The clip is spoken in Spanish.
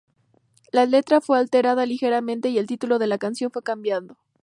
La letra fue alterada ligeramente y el título de la canción fue cambiado.